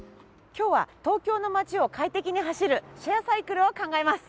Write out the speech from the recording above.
今日は東京の街を快適に走るシェアサイクルを考えます。